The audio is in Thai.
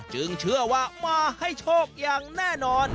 เชื่อว่ามาให้โชคอย่างแน่นอน